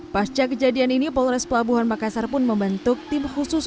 pasca kejadian ini polres pelabuhan makassar pun membentuk tim khusus